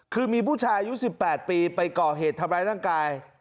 คือมีผู้ชายอายุ๑๘ปีไปก่อเหตุทำร้ายร่างกาย